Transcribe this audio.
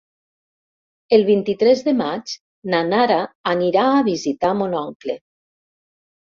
El vint-i-tres de maig na Nara anirà a visitar mon oncle.